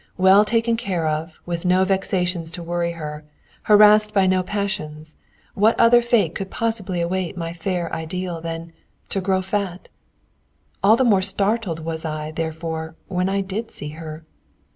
Well taken care of, with no vexations to worry her, harassed by no passions, what other fate could possibly await my fair ideal than to grow fat? All the more startled was I, therefore, when I did see her.